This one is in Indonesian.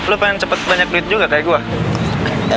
lu pengen cepet banyak duit juga kaya gue